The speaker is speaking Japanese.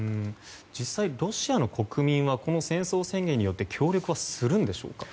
実際、ロシア国民はこの戦争宣言によって協力するんでしょうか？